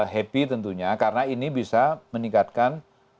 happy tentunya karena ini bisa meningkatkan